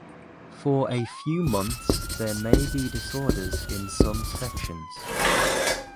For a few months there may be disorders in some sections.